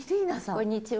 こんにちは。